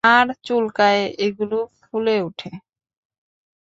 আর চুলকায় এগুলো ফুলে উঠে।